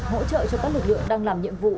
hỗ trợ cho các lực lượng đang làm nhiệm vụ